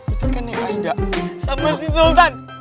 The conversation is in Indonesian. itu kan yang kaida sama si sultan